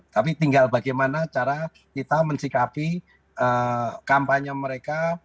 tapi tinggal bagaimana cara kita mensikapi kampanye mereka